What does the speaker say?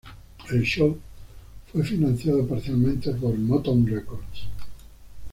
El show fue financiado parcialmente por Motown Records.